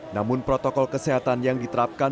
namun protokol kesehatan yang diterapkan